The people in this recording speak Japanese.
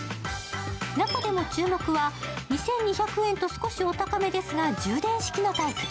中でも注目は、２２００円と少しお高めですが、充電式のタイプ。